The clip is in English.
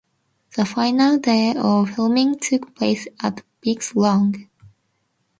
The final day of filming took place at Vic's lounge.